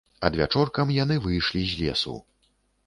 Адвячоркам яны выйшлі з лесу.